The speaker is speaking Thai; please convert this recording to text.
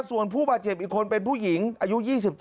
ส่วนผู้บาดเจ็บอีกคนเป็นผู้หญิงอายุ๒๗